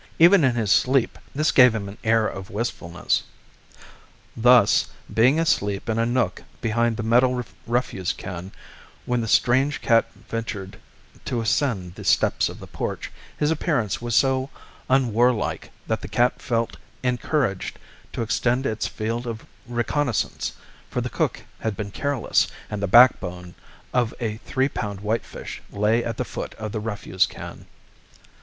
Even in his sleep, this gave him an air of wistfulness. Thus, being asleep in a nook behind the metal refuse can, when the strange cat ventured to ascend the steps of the porch, his appearance was so unwarlike that the cat felt encouraged to extend its field of reconnaissance for the cook had been careless, and the backbone of a three pound whitefish lay at the foot of the refuse can.